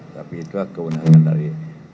tapi itulah kewenangan dari